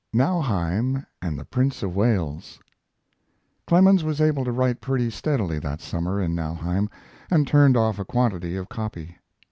NAUHEIM AND THE PRINCE OF WALES Clemens was able to write pretty steadily that summer in Nauheim and turned off a quantity of copy.